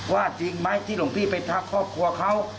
จริงไหมที่หลวงพี่ไปทักครอบครัวเขา